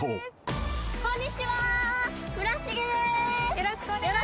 よろしくお願いします。